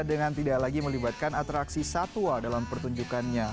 dengan tidak lagi melibatkan atraksi satwa dalam pertunjukannya